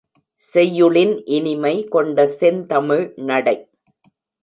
செய்யுளின் இனிமை கொண்ட செந்தமிழ் நடை.